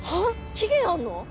期限あんの？